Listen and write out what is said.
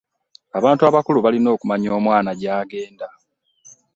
Abantu abakulu balina okumanya omwana gyagenda.